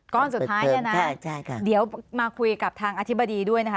ก้อนสุดท้ายเนี่ยนะเดี๋ยวมาคุยกับทางอธิบดีด้วยนะคะ